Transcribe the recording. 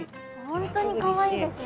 本当にかわいいですね。